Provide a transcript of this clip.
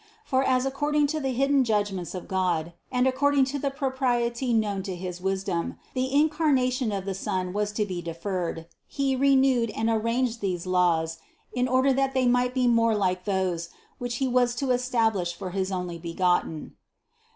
For as according to the hidden judgments of God and according to the propriety known to his wisdom, the Incarnation of the Son was to be deferred, He renewed and rearranged these laws in order that they might be more like to those, which He was to establish for his Onlybegotten.